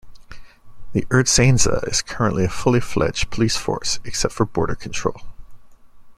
The Ertzaintza is currently a fully-fledged police force, except for border control.